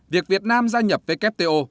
việc việt nam gia nhập wto